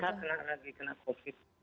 saya kena lagi kena covid